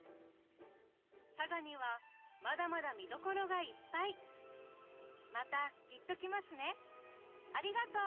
佐賀にはまだまだ見どころがいっぱいまたきっと来ますねありがとう！